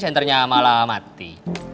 senternya malah mati